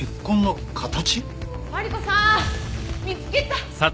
マリコさん見つけた！え？